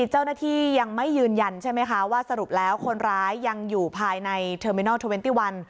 เจ้าหน้าที่ยังไม่ยืนยันใช่ไหมคะว่าสรุปแล้วคนร้ายยังอยู่ภายในเทอมินอล๒๑